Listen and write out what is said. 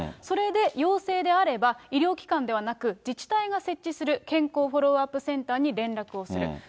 それで陽性であれば、医療機関ではなく、自治体が設置する健康フォローアップセンターに連絡をする。